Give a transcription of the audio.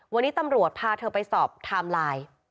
วันนี้ตำรวจพาเธอไปสอบไทม์ไลน์